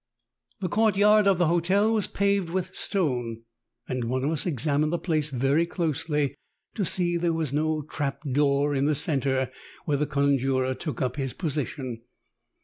The eourtjmrd of the hotel was paved with stone, and one of us examined the place very closely to see that there was no trap door in the center where the conjurer took up his position.